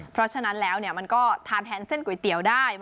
เพราะฉะนั้นแล้วมันก็ทานแทนเส้นก๋วยเตี๋ยวได้